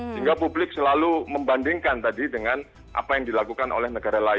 sehingga publik selalu membandingkan tadi dengan apa yang dilakukan oleh negara lain